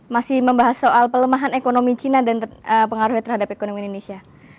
masih membahas soal pelemahan ekonomi cina dan pengaruhnya terhadap ekonomi indonesia